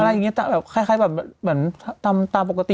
อะไรอย่างนี้แบบคล้ายแบบเหมือนตามปกติ